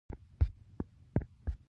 هند له افغانستان سره مرسته کوي.